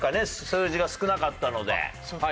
数字が少なかったので。